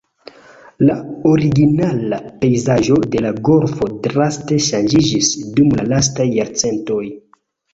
La originala pejzaĝo de la golfo draste ŝanĝiĝis dum la lastaj jarcentoj.